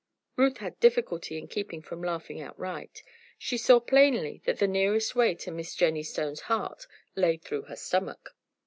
Ruth had difficulty in keeping from laughing outright. She saw plainly that the nearest way to Miss Jennie Stone's heart lay through her stomach.